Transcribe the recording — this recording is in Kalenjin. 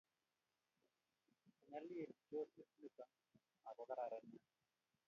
Nyalil chosit nitok ak ko kararan nea